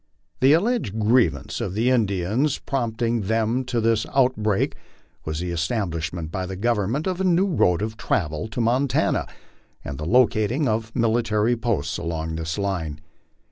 The alleged grievance of the Indians prompting them to this out break was the establishment by the Government of a new road of travel to Montana, and the locating of military posts along this line.